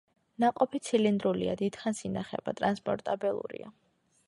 ნაყოფი ცილინდრულია, დიდხანს ინახება, ტრანსპორტაბელურია.